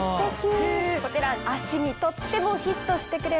こちら足にとってもフィットしてくれます。